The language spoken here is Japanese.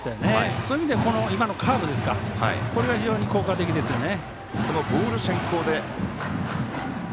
そういう意味で、カーブこれが非常に効果的ですよね。